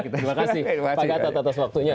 terima kasih pak gatot atas waktunya